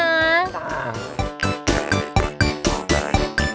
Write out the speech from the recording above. บ๊ายบาย